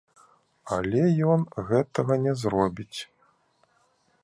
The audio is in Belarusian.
Але ён гэтага не зробіць.